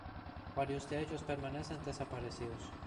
Varios de ellos permanecen desaparecidos.